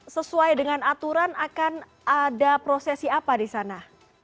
sesuai dengan aturan akan ada prosesi apa di sana